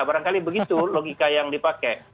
barangkali begitu logika yang dipakai